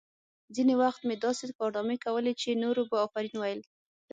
ځینې وخت مې داسې کارنامې کولې چې نورو به آفرین ویل